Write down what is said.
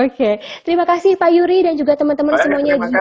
oke terima kasih pak yuri dan juga teman teman semuanya juga